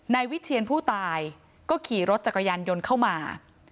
นายวิเชียนผู้ตายก็ขี่รถจักรยานยนต์เข้ามา